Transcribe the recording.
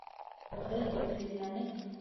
Беҙ бит белмәнек.